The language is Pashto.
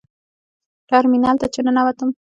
ټرمینل ته چې ننوتم.